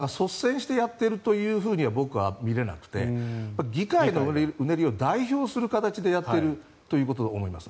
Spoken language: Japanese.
だからペロシさんが率先してやっているというふうには僕は見れなくて議会のうねりを代表する形でやっていることだと思います。